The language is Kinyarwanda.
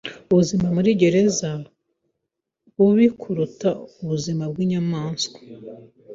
Ubuzima muri gereza bubi kuruta ubuzima bwinyamaswa.